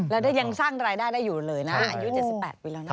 แล้วยังสร้างรายได้ได้อยู่เลยนะอายุ๗๘ปีแล้วนะ